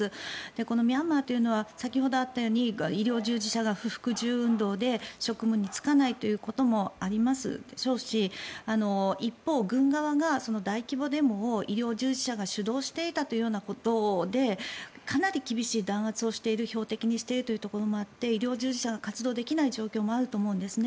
このミャンマーというのは先ほどあったように医療従事者が不服従運動で職務に就かないこともあるでしょうし一方、軍側が大規模デモを医療従事者が主導していたということでかなり厳しい弾圧をしている標的にしているところもあって医療従事者が活動できない状況もあると思うんですね。